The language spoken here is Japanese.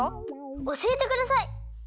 おしえてください。